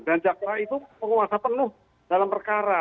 dan jaksa itu penguasa penuh dalam perkara